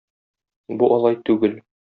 Бу алай түгел.